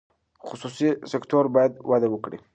خصوصي سکتور باید وده وکړي.